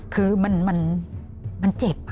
คือมันเจ็บ